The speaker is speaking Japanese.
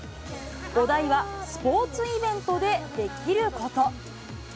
お題はスポーツイベントでできること。